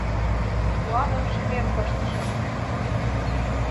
Куаныш шÿмем пыштышым.